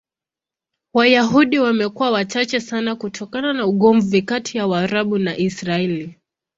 Wayahudi wamekuwa wachache sana kutokana na ugomvi kati ya Waarabu na Israel.